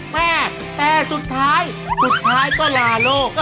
แม่แต่สุดท้ายสุดท้ายก็ลาโลก